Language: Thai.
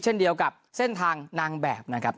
เช่นเดียวกับเส้นทางนางแบบนะครับ